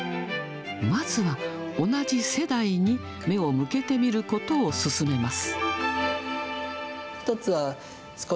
まずは同じ世代に目を向けてみることを勧めます。